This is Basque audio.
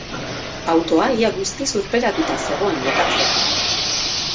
Autoa ia guztiz urperatuta zegoen lokatzean.